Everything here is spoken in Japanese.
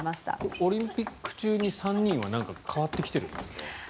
オリンピック中に３人は変わってきているんですか？